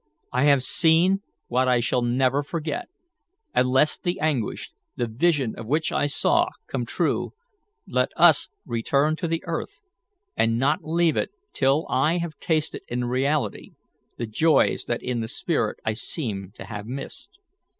"I have seen what I shall never forget, and lest the anguish the vision of which I saw come true, let us return to the earth, and not leave it till I have tasted in reality the joys that in the spirit I seemed to have missed.